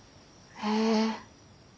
へえ。